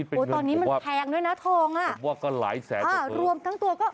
ตอนนี้มันแพงด้วยน่ะทองอ่ะบอกว่าก็หลายแสนอ่ารวมทั้งตัวก็